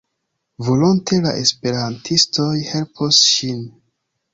Volonte la esperantistoj helpos ŝin.